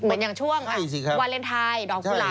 เหมือนอย่างช่วงวาเลนไทยดอกกุหลาบ